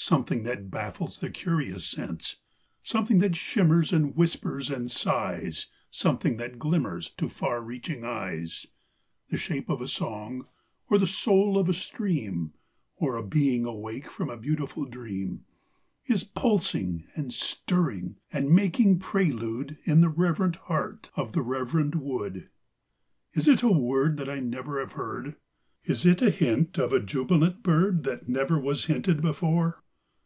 Something that baffles the curious sense ; Something that shimmers and whispers and sighs ; Something that glimmers to far reaching eyes ; The Shape of a song, or the Soul of a stream, Or a Being awake from a beautiful dream, Is pulsing and stirring and making prelude In the reverent heart of the reverend wood. Is it a word that I never have heard ? Is it a hint of a jubilant bird 28 THE PRELUDE. 2 9 That never was hinted before